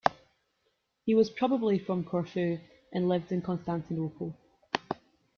He was probably from Corfu and lived in Constantinople.